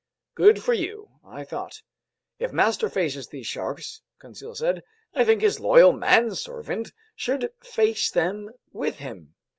Good for you, I thought. "If master faces these sharks," Conseil said, "I think his loyal manservant should face them with him!"